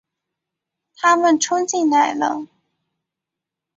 他们冲进来了